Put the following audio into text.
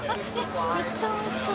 めっちゃおいしそう。